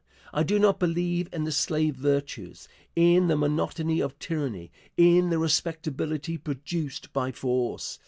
I do not believe in the slave virtues, in the monotony of tyranny, in the respectability produced by force.